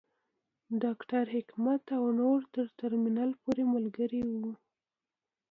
ډاکټر حکمت او نور تر ترمینل پورې ملګري وو.